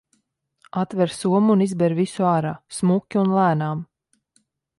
Atver somu un izber visu ārā, smuki un lēnām.